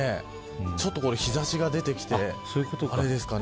ちょっと日差しが出てきてあれですかね。